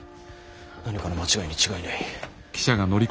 何かの間違いに違いない！